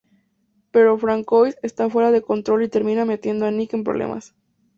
Pero Francois está fuera de control y termina metiendo a Nick en problemas.